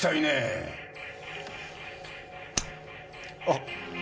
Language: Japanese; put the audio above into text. あっ！？